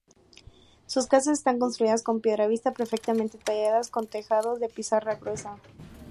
Sus casas están construidas con piedra vista, perfectamente talladas, con tejados de pizarra gruesa.